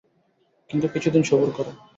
কিন্তু কিছু দিন সবুর করো।